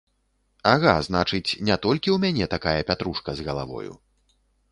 Ага, значыць, не толькі ў мяне такая пятрушка з галавою.